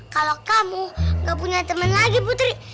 kalau kamu gak punya teman lagi putri